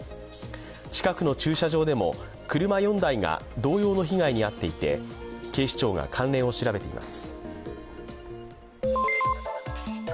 近くの駐車場でも車４台が同様の被害に遭っていて警視庁が関連を調べています。